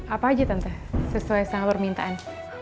apa aja tante sesuai sama permintaan